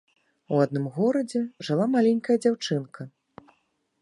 У адным горадзе жыла маленькая дзяўчынка.